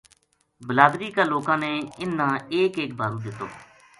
بلادری کا لوکاں نے اِنھ نا ایک ایک بھارو دِتو